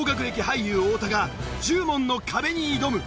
俳優太田が１０問の壁に挑む。